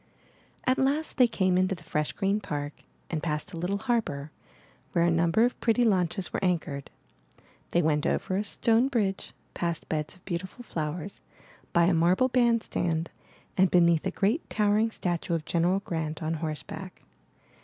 At last they came into the fresh green park and passed a little harbor, where a number of pretty launches were anchored. They went over a stone bridge, past beds of beautiful flowers, by a marble band stand, and beneath a great towering statue of General Grant on horseback.